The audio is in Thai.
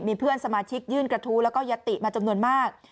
มีเพื่อนสมาชิกยื่นกระทู้แล้วก็ยัตติมาจำนวนมาก